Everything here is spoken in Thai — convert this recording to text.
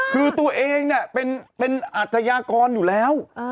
คือตัวเองเป็นอาจยากรอยู่แล้ว